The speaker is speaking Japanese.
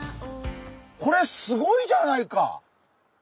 これすごいじゃないか。